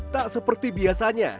tak seperti biasanya